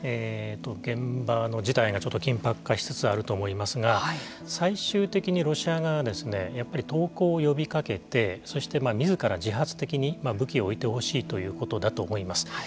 現場の事態がちょっと緊迫化しつつあると思いますが最終的にロシア側はやっぱり投降を呼びかけてそしてみずから自発的に武器を置いてほしいということだと思います。